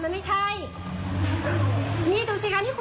ไม่ได้เชื่อแค่ถามว่าเป็นรอยดังใช่มั้ยคะ